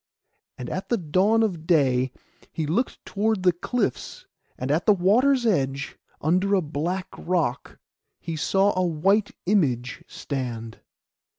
And at the dawn of day he looked toward the cliffs; and at the water's edge, under a black rock, he saw a white image stand.